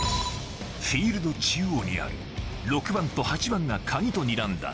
フィールド中央にある６番と８番がカギとにらんだ